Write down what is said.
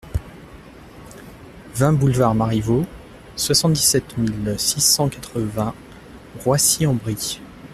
vingt boulevard Marivaux, soixante-dix-sept mille six cent quatre-vingts Roissy-en-Brie